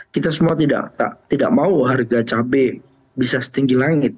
kita semua tidak mau harga cabai bisa setinggi langit